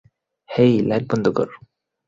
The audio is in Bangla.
হেই, লাইট বন্ধ কর।